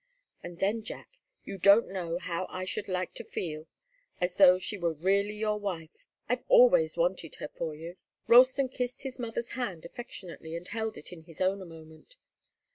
And then, Jack you don't know how I should like to feel as though she were really your wife! I've always wanted her for you." Ralston kissed his mother's hand affectionately, and held it in his own a moment.